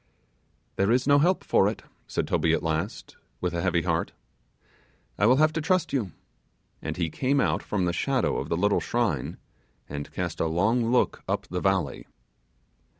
'There is no help for it,' said Toby, at last, with a heavy heart, 'I will have to trust you,' and he came out from the shadow of the little shrine, and cast a long look up the valley.